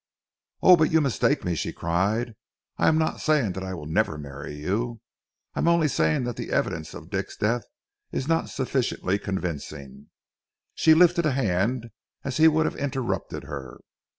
"Oh, but you mistake me," she cried. "I am not saying that I will never marry you. I am only saying that the evidence of Dick's death is not sufficiently convincing." She lifted a hand as he would have interrupted her.